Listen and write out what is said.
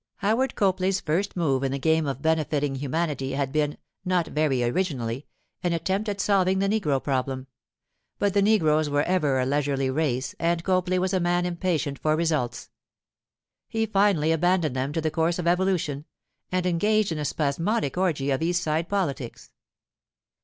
Howard Copley's first move in the game of benefiting humanity had been, not very originally, an attempt at solving the negro problem; but the negroes were ever a leisurely race, and Copley was a man impatient for results. He finally abandoned them to the course of evolution, and engaged in a spasmodic orgy of East Side politics.